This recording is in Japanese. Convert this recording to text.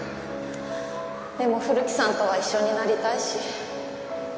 でも古木さんとは一緒になりたいし。